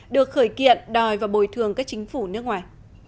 được khởi kiện đòi và bồi thường các chính phủ nước ngoài